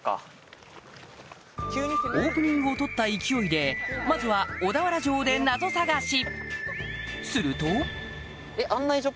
オープニングを撮った勢いでまずは小田原城でナゾ探し！